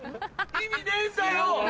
意味ねえんだよ！